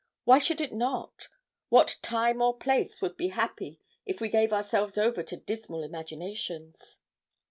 Why should it not? What time or place would be happy if we gave ourselves over to dismal imaginations?